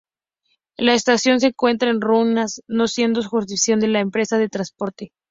La estación se encuentra en ruinas, no siendo jurisdicción de la empresa de transporte.